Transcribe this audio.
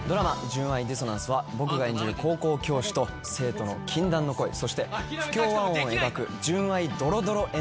『純愛ディソナンス』は僕が演じる高校教師と生徒の禁断の恋そして不協和音を描く純愛ドロドロエンターテインメントです。